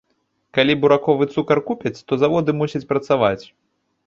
Калі бураковы цукар купяць, то заводы мусяць працаваць.